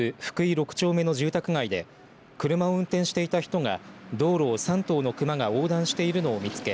６丁目の住宅街で車を運転していた人が道路を３頭の熊が横断しているのを見つけ